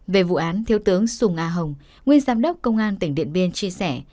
về vụ án thiếu tướng sùng a hồng nguyên giám đốc công an tỉnh điện biên chia sẻ